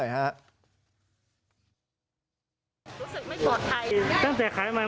มาทำแบบนี้เราแก่ผัดจะแย่นิดหนึ่ง